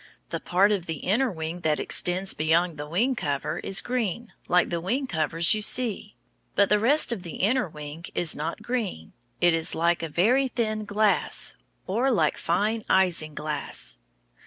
The part of the inner wing that extends beyond the wing covers is green, like the wing covers, you see. But the rest of the inner wing is not green, it is like very thin glass, or like fine isinglass.